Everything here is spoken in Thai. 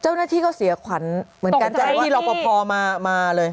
เจ้าหน้าที่เขาเสียขวัญเหมือนกันตกใจนี่ที่เราก็พอมามาเลย